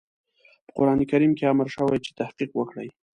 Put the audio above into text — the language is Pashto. په قرآن کريم کې امر شوی چې تحقيق وکړئ.